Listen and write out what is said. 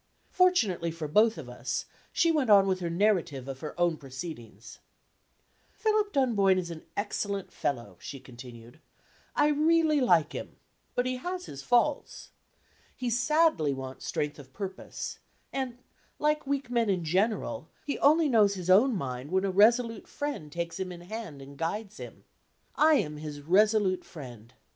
Fortunately for both of us, she went on with her narrative of her own proceedings. "Philip Dunboyne is an excellent fellow," she continued; "I really like him but he has his faults. He sadly wants strength of purpose; and, like weak men in general, he only knows his own mind when a resolute friend takes him in hand and guides him. I am his resolute friend.